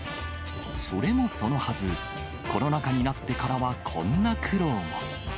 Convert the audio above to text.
それもそのはず、コロナ禍になってからはこんな苦労も。